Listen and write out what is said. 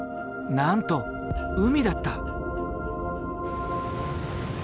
なんと海だった。